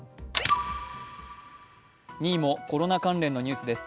２位もコロナ関連のニュースです。